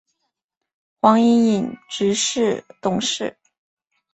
黄影影执行董事。